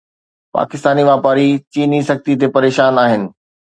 پاڪستاني واپاري چيني سختي تي پريشان آهن